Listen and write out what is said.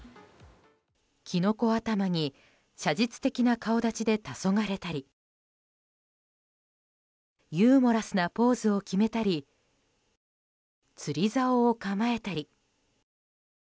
キノコ頭に写実的な顔立ちでたそがれたりユーモラスなポーズを決めたり釣り竿を構えたり。